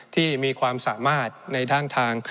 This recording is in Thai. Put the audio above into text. ที่มีความสามารถในด้านทาง